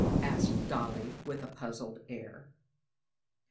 asked Dolly with a puzzled air.